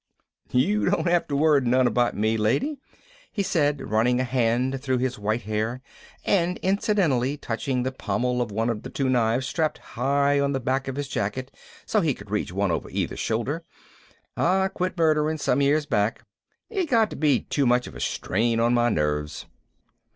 "You don't have to worry none about me, lady," he said, running a hand through his white hair and incidentally touching the pommel of one of the two knives strapped high on the back of his jacket so he could reach one over either shoulder. "I quit murdering some years back. It got to be too much of a strain on my nerves."